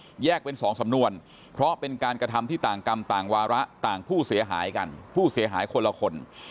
แยกเป็นสองสำนวนเพราะเป็นการกระทำที่ต่างกรรมต่างวาระต่างผู้เสียหายกันผู้เสียหายคนละคน